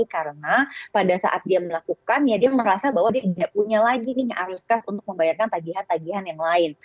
karena pada saat dia melakukannya dia merasa bahwa dia tidak punya lagi nih yang haruskah untuk membayarkan tagihan tagihan yang lain